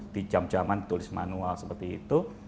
di jam jaman ditulis manual seperti itu